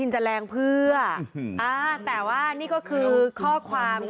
ใช่ครับ